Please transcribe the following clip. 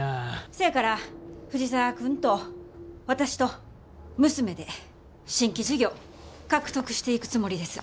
せやから藤沢君と私と娘で新規事業獲得していくつもりです。